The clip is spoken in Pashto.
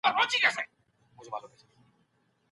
که تجربه تکرار سي پایله یې باوري کیږي.